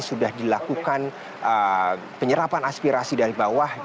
sudah dilakukan penyerapan aspirasi dari bawah